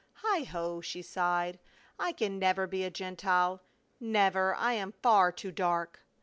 " Heigho !" she sighed, " I can never be a Gentile — never, I am far too dark."